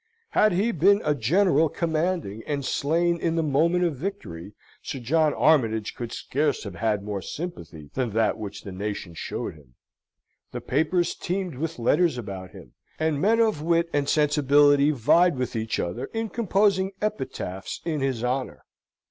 Had he been a general commanding, and slain in the moment of victory, Sir John Armytage could scarce have had more sympathy than that which the nation showed him. The papers teemed with letters about him, and men of wit and sensibility vied with each other in composing epitaphs in his honour.